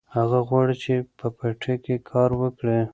هغه غواړي چې په پټي کې کار وکړي.